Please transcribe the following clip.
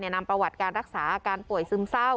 นำประวัติการรักษาอาการป่วยซึมเศร้า